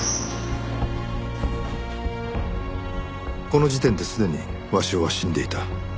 この時点ですでに鷲尾は死んでいた。